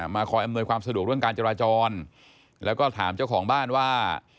คอยอำนวยความสะดวกเรื่องการจราจรแล้วก็ถามเจ้าของบ้านว่า